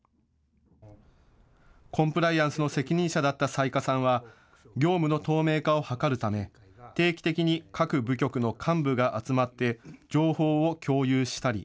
コンプライアンスの責任者だった雑賀さんは業務の透明化を図るため、定期的に各部局の幹部が集まって情報を共有したり、